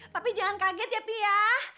papi jangan kaget ya pi ya